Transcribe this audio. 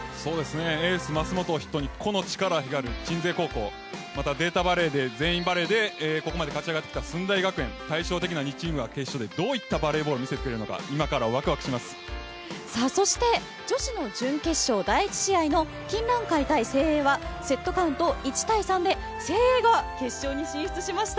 エース桝本を筆頭に個の力が光る鎮西高校データバレーで全員バレーでここまで勝ち上がってきた駿台学園対照的な２チームが、決勝でどういったバレーを見せるのかそして女子の準決勝第１試合の金蘭会対誠英はセットカウント１対３で誠英が決勝に進出しました。